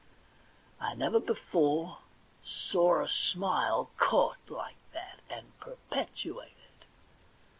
I never before saw a smile caught like that, and perpetuated.